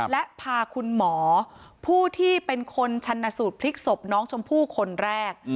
และพาคุณหมอผู้ที่เป็นคนชันสูตรพลิกศพน้องชมพู่คนแรก